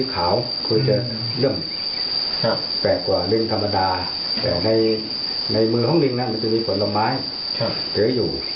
คุณเจอเรื่องแปลกกว่าลิงธรรมดาแต่ในมือของลิงมันจะมีผลไม้เกือบอยู่